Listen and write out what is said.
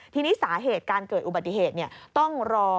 ทีนี้สาเหตุการเกิดอุบัติเหตุต้องรอ